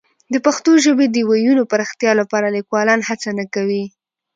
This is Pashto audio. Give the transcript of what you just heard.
د پښتو ژبې د وییونو پراختیا لپاره لیکوالان هڅه نه کوي.